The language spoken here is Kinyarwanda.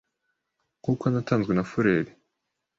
Nkuko natanzwe na Führer